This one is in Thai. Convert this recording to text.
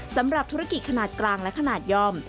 สำหรับธุรกิจขนาดกลางและขนาดย่อม